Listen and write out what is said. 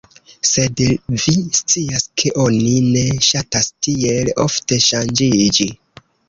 Sed vi scias ke oni ne ŝatas tiel ofte ŝanĝiĝi."